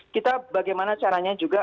kita bagaimana caranya juga